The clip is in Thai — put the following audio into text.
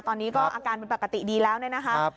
ตอนนี้ก็อาการเป็นปกติดีแล้วเนี่ยนะคะ